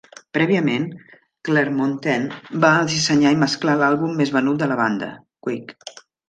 Prèviament, Clearmountain va dissenyar i mesclar l'àlbum més venut de la banda, "Kick".